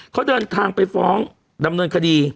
เขาเดินทางไปฟ้องดำเนินคดี